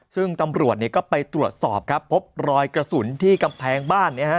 ซึ่งตำรวจก็ไปตรวจสอบครับพบรอยกระสุนที่กำแพงบ้าน